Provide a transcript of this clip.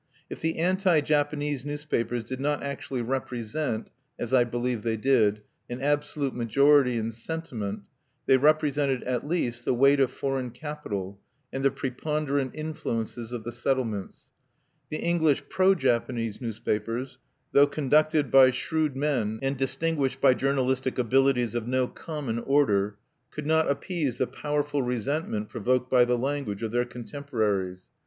If the "anti Japanese" newspapers did not actually represent as I believe they did an absolute majority in sentiment, they represented at least the weight of foreign capital, and the preponderant influences of the settlements. The English "pro Japanese" newspapers, though conducted by shrewd men, and distinguished by journalistic abilities of no common order, could not appease the powerful resentment provoked by the language of their contemporaries.